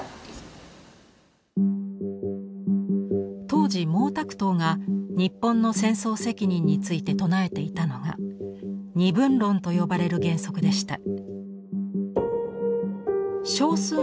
当時毛沢東が日本の戦争責任について唱えていたのが二分論と呼ばれる原則でした。